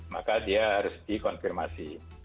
maka dia harus dikonfirmasi